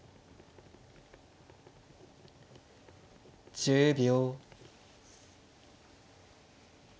１０秒。